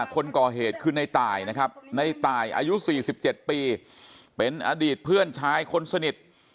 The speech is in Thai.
คนก่อเหตุคือในตายนะครับในตายอายุ๔๗ปีเป็นอดีตเพื่อนชายคนสนิท